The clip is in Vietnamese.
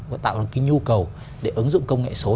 và tạo được cái nhu cầu để ứng dụng công nghệ số